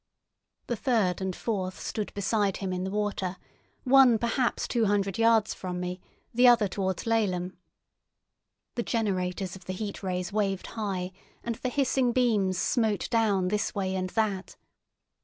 The third and fourth stood beside him in the water, one perhaps two hundred yards from me, the other towards Laleham. The generators of the Heat Rays waved high, and the hissing beams smote down this way and that.